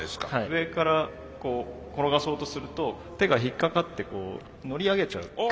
上から転がそうとすると手が引っ掛かって乗り上げちゃう。